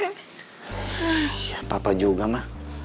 iya papa juga ma